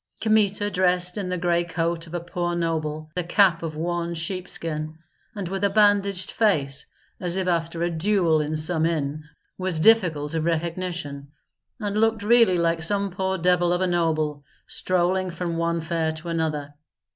Kmita dressed in the gray coat of a poor noble, a cap of worn sheepskin, and with a bandaged face, as if after a duel in some inn, was difficult of recognition, and looked really like some poor devil of a noble, strolling from one fair to another.